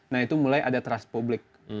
nah itu mulai ada trust publik